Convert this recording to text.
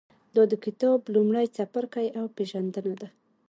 دا د کتاب لومړی څپرکی او پېژندنه ده.